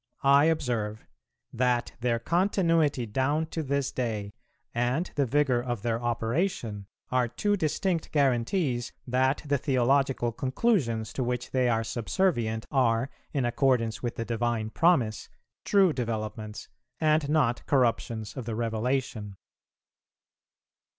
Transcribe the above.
I observe, That their continuity down to this day, and the vigour of their operation, are two distinct guarantees that the theological conclusions to which they are subservient are, in accordance with the Divine Promise, true developments, and not corruptions of the Revelation.